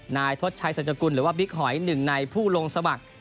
นายทศชัยสัจกุลหรือว่าบิ๊กหอยหนึ่งในผู้ลงสมัคร